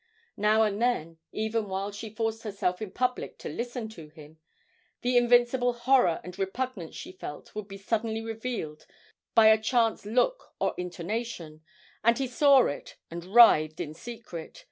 Now and then, even while she forced herself in public to listen to him, the invincible horror and repugnance she felt would be suddenly revealed by a chance look or intonation and he saw it and writhed in secret.